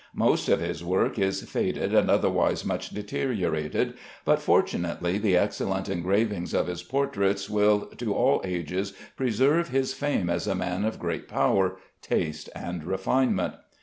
Most of his work is faded and otherwise much deteriorated, but fortunately the excellent engravings of his portraits will to all ages preserve his fame as a man of great power, taste, and refinement.